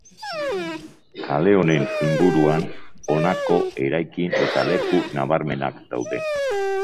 Kale honen inguruan honako eraikin eta leku nabarmenak daude.